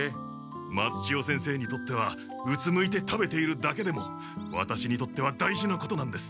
松千代先生にとってはうつむいて食べているだけでもワタシにとっては大事なことなんです。